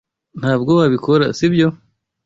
Ntabwo wabikora, sibyo?